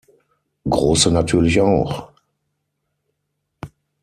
Große natürlich auch.